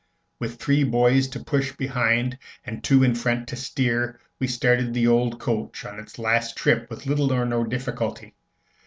With three boys to push behind, and two in front to steer, we started the old coach on its last trip with little or no difficulty.